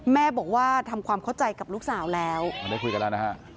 แม่บอกว่าทำความเข้าใจกับลูกสาวแล้วอ๋อได้คุยกันแล้วนะฮะ